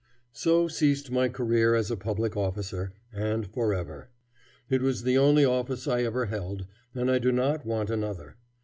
So ceased my career as a public officer, and forever. It was the only office I ever held, and I do not want another.